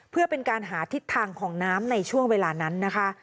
เพื่อเป็นการหาทิศทางของน้ำในช่วงเวลานั้นนะคะ